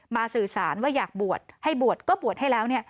สื่อสารว่าอยากบวชให้บวชก็บวชให้แล้ว